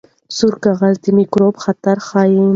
سور کاغذ د میکروب خطر ښيي.